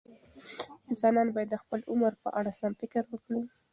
انسانان باید د خپل عمر په اړه سم فکر وکړي.